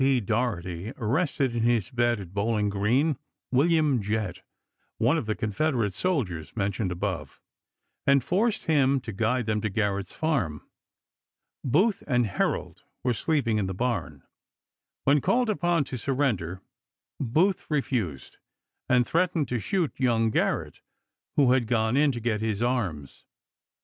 P. Doherty arrested, in his bed at Bowling Green, William Jett, one of the Confeder ate soldiers mentioned above, and forced him to guide them to Garrett's farm. Booth and Herold were sleeping in the barn. When called upon to surrender, Booth refused, and threatened to shoot young Garrett, who had gone in to get his arms.